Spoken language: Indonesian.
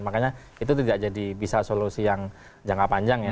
makanya itu tidak jadi bisa solusi yang jangka panjang ya